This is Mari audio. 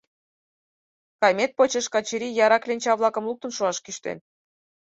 Каймет почеш Качырий яра кленча-влакым луктын шуаш кӱштен.